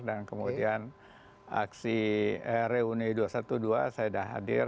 dan kemudian aksi reuni dua ratus dua belas saya dah hadir